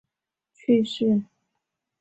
徐的在桂阳去世。